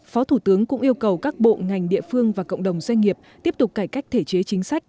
phó thủ tướng cũng yêu cầu các bộ ngành địa phương và cộng đồng doanh nghiệp tiếp tục cải cách thể chế chính sách